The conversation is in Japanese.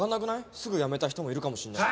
すぐ辞めた人もいるかもしれないし。